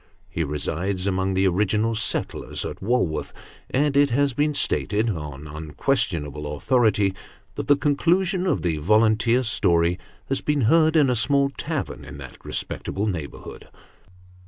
He resides among the original settlers at Walworth; and it has been stated, on unquestionable authority, that the conclusion of the volunteer story has been heard in a small tavern in that respectable neighbourhood.